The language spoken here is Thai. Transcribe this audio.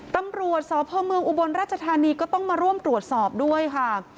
ตำรวจสพเมืองอุบลราชธานีก็ต้องมาร่วมตรวจสอบด้วยค่ะ